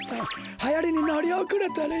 はやりにのりおくれとるよ